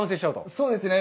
そうですね。